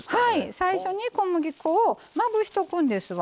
最初に小麦粉をまぶしとくんですわ。